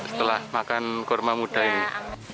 setelah makan kurma muda ini